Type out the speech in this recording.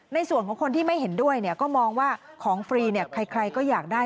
ในส่วนของคนที่ไม่เห็นด้วยเนี่ยก็มองว่าของฟรีเนี่ยใครก็อยากได้